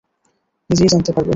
নিজেই জানতে পারবে!